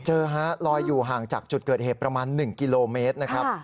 ฮะลอยอยู่ห่างจากจุดเกิดเหตุประมาณ๑กิโลเมตรนะครับ